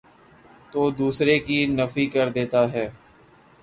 تودوسرے کی نفی کردیتا ہے۔